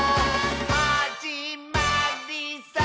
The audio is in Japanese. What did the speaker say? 「はじまりさー」